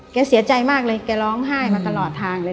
เสียใจมากเลยแกร้องไห้มาตลอดทางเลย